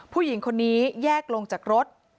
ผู้หญิงคนนี้แยกลงจากรถ